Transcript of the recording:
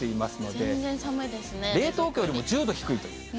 全然寒い、冷凍庫よりも１０度低いという。